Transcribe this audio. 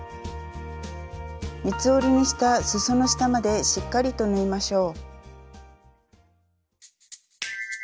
三つ折りにしたすその下までしっかりと縫いましょう。